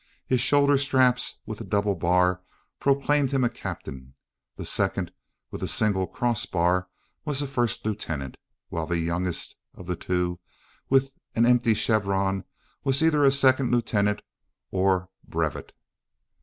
His shoulder straps with the double bar proclaimed him a captain; the second, with a single cross bar, was a first lieutenant; while the youngest of the two, with an empty chevron, was either a second lieutenant or "brevet."